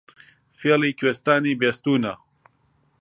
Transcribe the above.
فێڵی کوێستانی بیستوونە